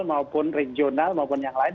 maupun regional maupun yang lain